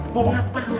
bumbu apaan bunga